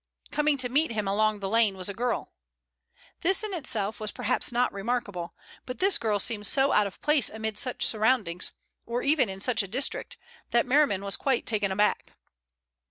Coming to meet him along the lane was a girl. This in itself was perhaps not remarkable, but this girl seemed so out of place amid such surroundings, or even in such a district, that Merriman was quite taken aback.